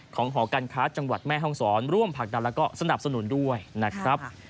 หอการค้าจังหวัดแม่ห้องศรร่วมผลักดันแล้วก็สนับสนุนด้วยนะครับ